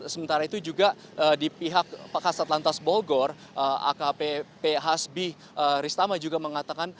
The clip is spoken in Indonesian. sementara itu juga di pihak pakasat lantas bolgor akp p hasbi ristama juga mengatakan